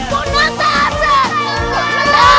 kau tak terjaga